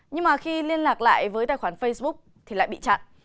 nhưng mà khi liên lạc lại với tài khoản facebook thì lại bị chặn